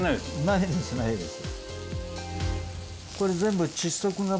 ないですないです。